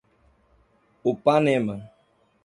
Upanema